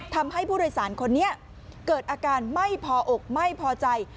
ทำให้ผู้โดยสารคนนี้เกิดอาการไม่พออกไม่พอใจ